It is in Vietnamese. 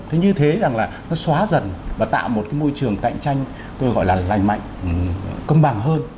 thế như thế rằng là nó xóa dần và tạo một cái môi trường cạnh tranh tôi gọi là lành mạnh công bằng hơn